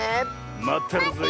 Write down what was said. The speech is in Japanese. まってるぜえ。